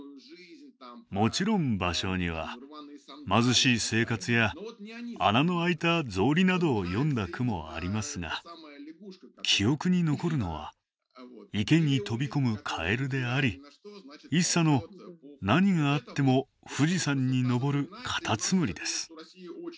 もちろん芭蕉には貧しい生活や穴の開いた草履などを詠んだ句もありますが記憶に残るのは池に飛び込むカエルであり一茶の何があっても富士山に登るカタツムリです。